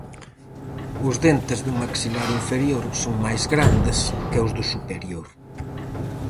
Os dentes do maxilar inferior son máis grandes que os do superior.